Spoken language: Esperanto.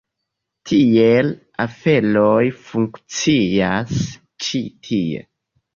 Tiel aferoj funkcias ĉi tie.